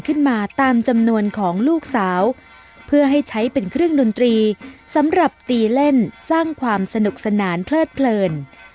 ขึ้นมาตามจำนวนของลูกสาวเพื่อให้ใช้เป็นเครื่องดนตรีสำหรับตีเล่นสร้างความสนุกสนานเพลิดเพลิน